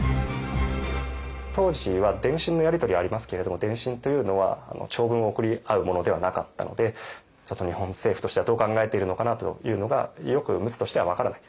当時は電信のやり取りはありますけれども電信というのは長文を送り合うものではなかったのでちょっと日本政府としてはどう考えているのかな？というのがよく陸奥としては分からない。